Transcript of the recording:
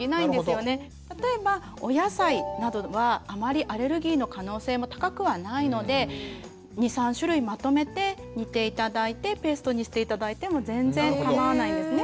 例えばお野菜などはあまりアレルギーの可能性も高くはないので２３種類まとめて煮て頂いてペーストにして頂いても全然かまわないんですね。